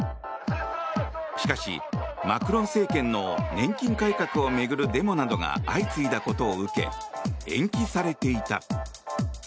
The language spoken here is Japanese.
しかし、マクロン政権の年金改革を巡るデモなどが相次いだことを受け延期されていた。